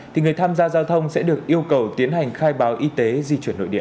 thì người tham gia giao thông sẽ được yêu cầu tiến hành khai báo y tế di chuyển nội địa